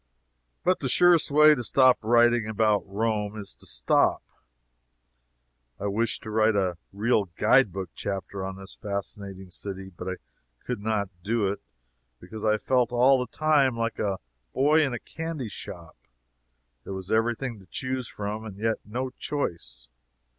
But the surest way to stop writing about Rome is to stop. I wished to write a real "guide book" chapter on this fascinating city, but I could not do it, because I have felt all the time like a boy in a candy shop there was every thing to choose from, and yet no choice.